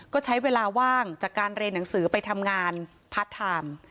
ก็ใช้เวลาว่างจากการเรียนหนังสือไปทำงานพาร์ทไทม์